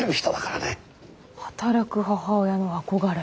働く母親の憧れ。